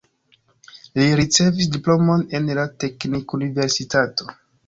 Li ricevis diplomon en la teknikuniversitato.